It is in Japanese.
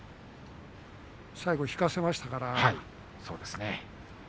最後は引かせましたから。